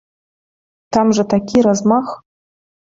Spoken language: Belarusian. Там жа такі размах.